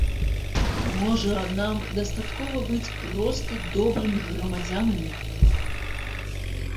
Можа, нам дастаткова быць проста добрымі грамадзянамі?